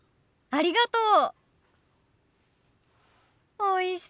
ありがとう。